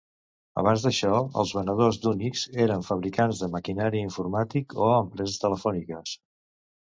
Abans d'això, els venedors d'Unix eren fabricants de maquinari informàtic o empreses telefòniques.